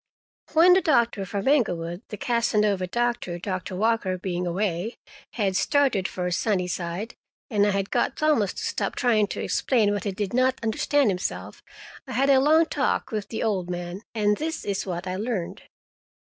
When the doctor from Englewood—the Casanova doctor, Doctor Walker, being away—had started for Sunnyside, and I had got Thomas to stop trying to explain what he did not understand himself, I had a long talk with the old man, and this is what I learned.